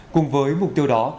cùng với mục tiêu đó